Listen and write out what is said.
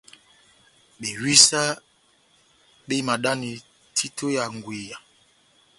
Bewisa béhimadani títo ya ngweya.